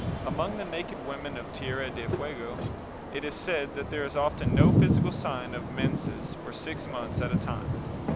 " Among the naked women of Tierra del Fuego, it is said that there is often no physical sign of the menses for six months at a time.